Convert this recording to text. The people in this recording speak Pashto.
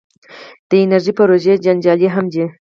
د انرژۍ پروژې جنجالي هم دي.